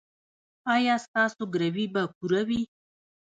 ایا ستاسو ګروي به پوره وي؟